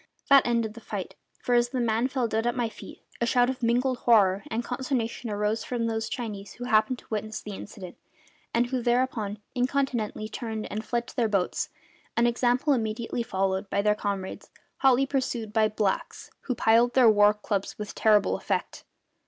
That ended the fight; for as the man fell dead at my feet a shout of mingled horror and consternation arose from those Chinese who happened to witness the incident, and who thereupon incontinently turned and fled to their boats, an example immediately followed by their comrades, hotly pursued by the blacks, who plied their war clubs with terrible effect.